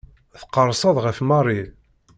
Tqerrseḍ ɣef Mary.